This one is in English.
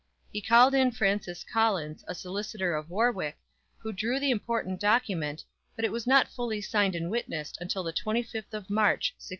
He called in Francis Collins, a solicitor of Warwick, who drew the important document, but it was not finally signed and witnessed until the 25th of March, 1616.